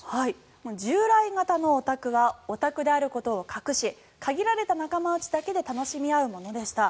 従来型のオタクはオタクであることを隠し限られた仲間内だけで楽しみ合うものでした。